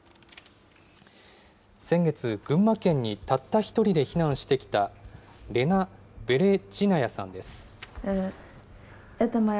先月、群馬県にたったひとりで避難してきた、レナ・ベレジナヤさんです。